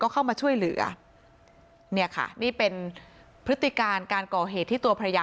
เข้ามาช่วยเหลือเนี่ยค่ะนี่เป็นพฤติการการก่อเหตุที่ตัวภรรยา